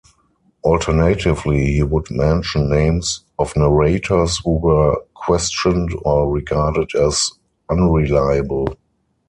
Alternatively, he would mention names of narrators who were questioned or regarded as unreliable.